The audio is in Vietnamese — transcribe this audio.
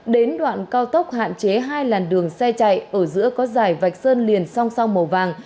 đến đoạn cao tốc hạn chế hai làn đường xe chạy ở giữa có dải vạch sơn liền song song màu vàng